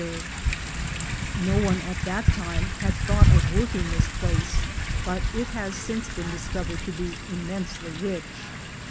324 THE GOLD HUNTERS No one at that time had thought of working this place, but it has since been discovered to be immensely rich.